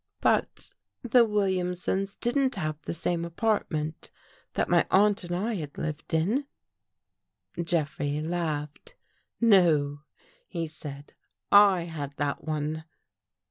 But — the William sons didn't have the same apartment that my aunt and I had lived in." Jeffrey laughed. " No," he said. " I had that one."